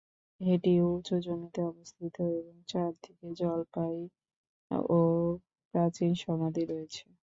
এটি উঁচু জমিতে অবস্থিত এবং চারদিকে জলপাই ও প্রাচীন সমাধি রয়েছে।